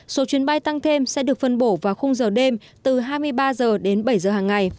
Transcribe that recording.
số chuyến bay tăng thêm sẽ được phân bổ vào khung giờ đêm từ hai mươi ba h đến bảy h hàng ngày